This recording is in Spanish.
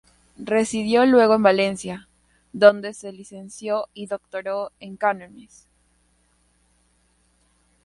Residió luego en Valencia, donde se licenció y doctoró en Cánones.